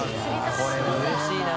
これうれしいな。